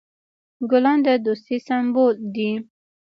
ګلان د دوستی سمبول دي.